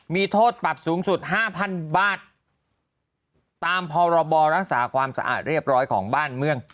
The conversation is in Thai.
มีโทษปรับสูงสุดห้าพันบาทตามพรบรักษาความสะอาดเรียบร้อยของบ้านเมือง